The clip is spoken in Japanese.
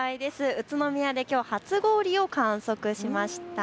宇都宮できょう初氷を観測しました。